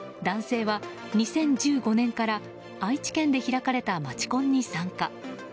男性は２０１５年から愛知県で開かれた街コンに参加。